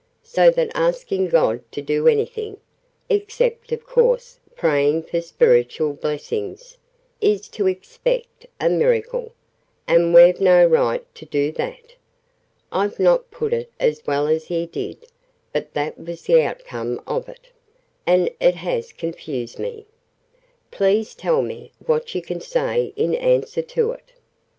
So that asking God to do anything (except of course praying for spiritual blessings) is to expect a miracle: and we've no right to do that. I've not put it as well as he did: but that was the outcome of it, and it has confused me. Please tell me what you can say in answer to it."